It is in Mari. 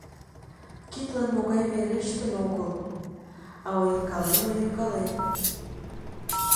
Кидлан могай верештын огыл, а ойыркален-ойыркален.